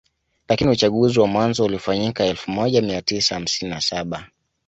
Lakini uchaguzi wa mwanzo ulifanyika elfu moja mia tisa hamsini na saba